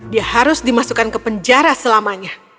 dia harus dimasukkan ke penjara selamanya